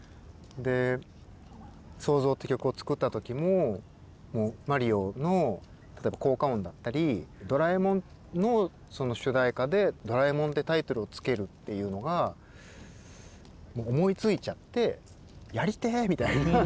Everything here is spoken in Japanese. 「創造」っていう曲を作った時もマリオの効果音だったり「ドラえもん」の主題歌で「ドラえもん」ってタイトルを付けるっていうのが思いついちゃって「やりてぇ」みたいな。